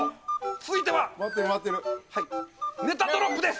続いては、ネタドロップです。